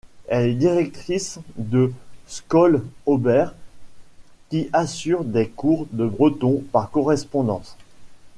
Elle est directrice de Skol Ober, qui assure des cours de breton par correspondance.